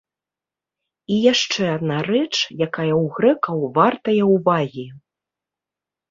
І яшчэ адна рэч, якая ў грэкаў вартая ўвагі.